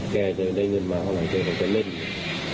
แกจะได้เงินมาเท่าไหร่แกคงจะเล่น